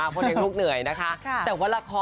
พูดสิ